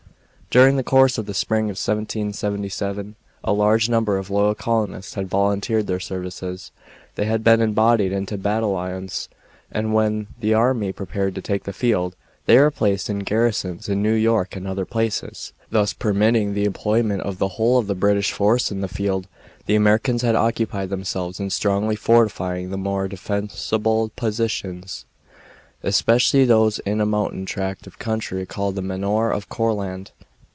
During the course of the spring of 1777 a large number of loyal colonists had volunteered their services. They had been embodied into battalions, and when the army prepared to take the field they were placed in garrisons in New York and other places, thus permitting the employment of the whole of the British force in the field. The Americans had occupied themselves in strongly fortifying the more defensible positions, especially those in a mountain tract of country called the Manor of Courland.